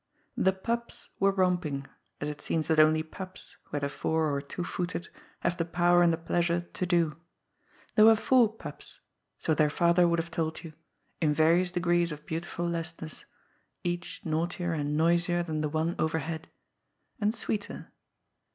The " Pups" were romping, as it seems that only pups, whether four or two footed, have the power and the pleasure to do. There were four Pups, so their father would have told you, in various degrees of beautiful lessness, each naughtier and noisier than the one overhead. And sweeter.